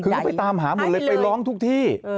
คือเขาไปตามหาหมดเลยไปร้องทุกที่